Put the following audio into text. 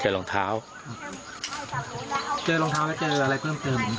เจอรองเท้าแล้วเจออะไรเพิ่มเกินครับ